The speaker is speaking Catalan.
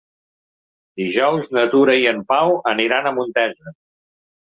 Dijous na Tura i en Pau aniran a Montesa.